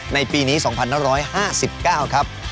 ในปีนี้๒๕๕๙ครับ